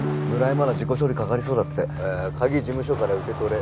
まだ事故処理かかりそうだって「鍵事務所から受けとれ」